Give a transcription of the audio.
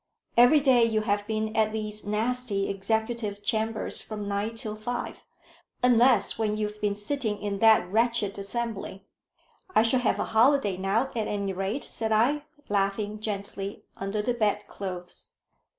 Every day you have been at these nasty executive chambers from nine till five, unless when you've been sitting in that wretched Assembly." "I shall have a holiday now, at any rate," said I, laughing gently under the bedclothes.